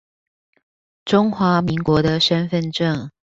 中華民國的身分證